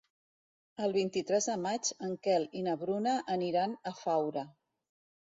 El vint-i-tres de maig en Quel i na Bruna aniran a Faura.